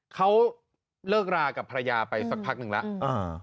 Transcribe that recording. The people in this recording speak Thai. เขาเลิกรากับภรรยาไปสักพักหนึ่งแล้ว